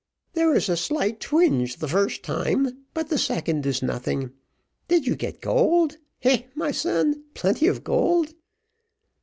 There is a slight twinge the first time but the second is nothing. Did you get gold? Hey, my son, plenty of gold?"